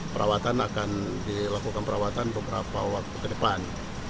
perawatan akan dilakukan perawatan beberapa waktu ke depan